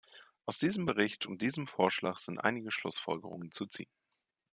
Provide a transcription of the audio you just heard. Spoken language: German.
Aus diesem Bericht und diesem Vorschlag sind einige Schlussfolgerungen zu ziehen.